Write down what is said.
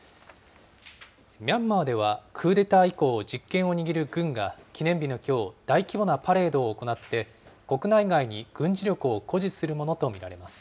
ミャンマーではクーデター以降、実権を握る軍が記念日のきょう、大規模なパレードを行って、国内外に軍事力を誇示するものと見られます。